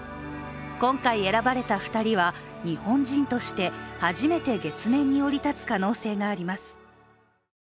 今回選ばれた２人は日本人として初めて月面に降り立つ可能性があります。